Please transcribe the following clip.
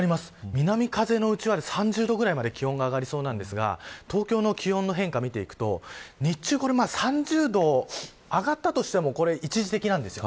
南風のうちは３０度ぐらいまで気温が上がりそうなんですが東京の気温の変化を見ていくと日中は３０度上がったとしても一時的なんです。